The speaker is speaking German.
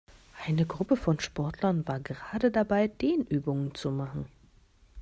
Eine Gruppe von Sportlern war gerade dabei, Dehnübungen zu machen.